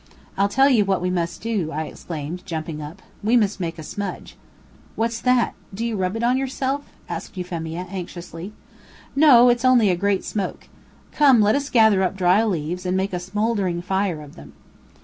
"I'll tell you what we must do," I exclaimed, jumping up. "We must make a smudge." "What's that? do you rub it on yourself?" asked Euphemia, anxiously. "No, it's only a great smoke. Come, let us gather up dry leaves and make a smoldering fire of them."